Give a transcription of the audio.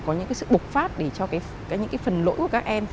có những cái sự bộc phát để cho những cái phần lỗi của các em